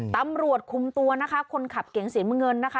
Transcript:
ตำรวจคุมตัวนะคะคนขับเก๋งสีน้ำเงินนะคะ